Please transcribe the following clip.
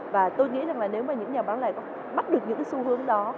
và tôi nghĩ rằng nếu những nhà bán lẻ có bắt được những xu hướng đó